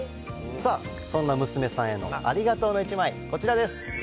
さあ、そんな娘さんへのありがとうの１枚、こちらです。